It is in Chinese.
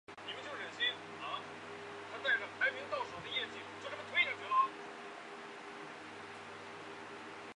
阿丽安萝德中扮演了其最重要的角色。